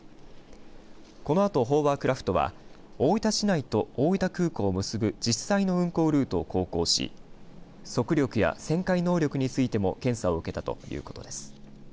このあと、ホーバークラフトは大分市内と大分空港を結ぶ実際の運航ルートを航行し速力や旋回能力についても検査を受けたということです。